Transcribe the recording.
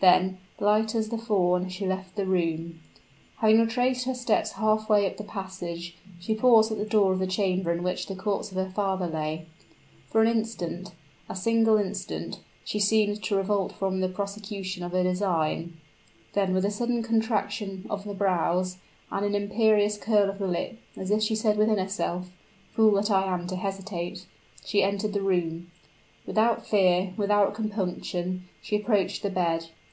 Then, light as the fawn, she left the room. Having retraced her steps half way up the passage, she paused at the door of the chamber in which the corpse of her father lay. For an instant a single instant she seemed to revolt from the prosecution of her design, then, with a stern contraction of the brows, and an imperious curl of the lip as if she said within herself, "Fool that I am to hesitate!" she entered the room. Without fear without compunction, she approached the bed.